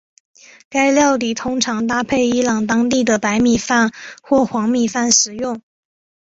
该料理通常搭配伊朗当地的白米饭或黄米饭食用。